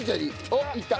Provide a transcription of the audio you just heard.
おっいった。